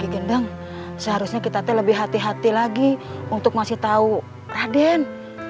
gendeng seharusnya kita lebih hati hati lagi untuk masih tau raden